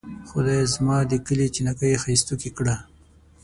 خدایه زما د کلي چینه ګۍ ښائستوکې کړه.